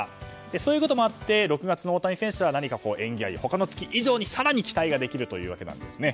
そういうこともあって６月の大谷選手は何か縁起がいい他の月以上に更に期待できるというわけなんです。